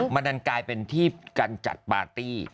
มันดันกลายเป็นที่การจัดปาร์ตี้